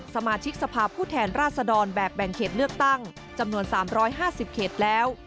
สมาชิกสภาพผู้แทนราชดรแบบแบ่งเขตเลือกตั้งจำนวน๓๕๐เขตแล้ว